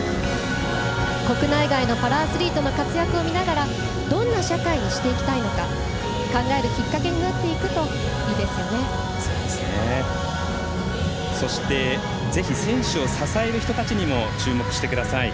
国内外のパラアスリートの活躍を見ながらどんな社会にしていきたいのか考えるきっかけになっていくとぜひ選手を支える人たちにも注目してください。